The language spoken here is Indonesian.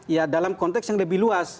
ya dalam konteks yang lebih luas